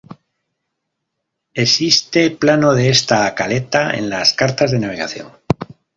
Existe plano de esta caleta en las cartas de navegación.